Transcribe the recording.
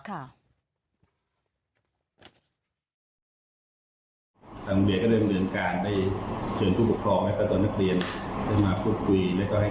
ขอโทษขออภัยทุกบาทอาจารย์ทุกครุูฟอพ